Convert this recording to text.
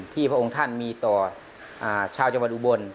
พระองค์ท่านมีต่อชาวจังหวัดอุบล